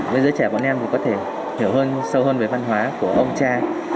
với giới trẻ bọn em có thể hiểu sâu hơn về văn hóa của ông cha